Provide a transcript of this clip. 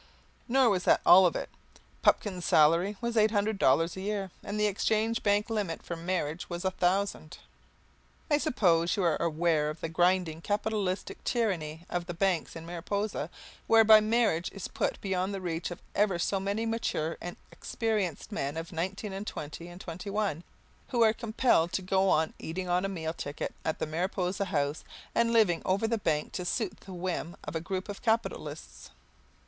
Nor was that all of it. Pupkin's salary was eight hundred dollars a year and the Exchange Bank limit for marriage was a thousand. I suppose you are aware of the grinding capitalistic tyranny of the banks in Mariposa whereby marriage is put beyond the reach of ever so many mature and experienced men of nineteen and twenty and twenty one, who are compelled to go on eating on a meal ticket at the Mariposa House and living over the bank to suit the whim of a group of capitalists.